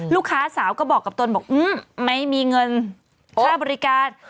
ลูกสาวก็บอกกับตนบอกไม่มีเงินค่าบริการ